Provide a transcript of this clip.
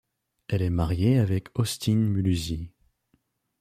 Elle est mariée avec Austin Muluzi.